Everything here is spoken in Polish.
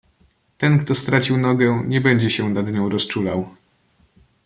"Ten kto stracił nogę nie będzie się nad nią rozczulał."